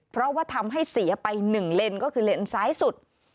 เพราะว่าทำให้เสียไป๑เลนก็คือเลนซ้ายสุด